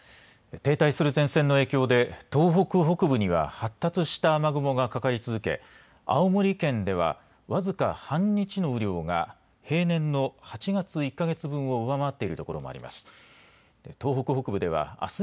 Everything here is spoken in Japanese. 停滞する前線の影響で、東北北部には発達した雨雲がかかり続け、青森県では僅か半日の雨量が、平年の８月１か月分を上回っている所もあります。